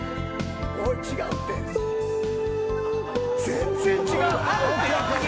全然違う。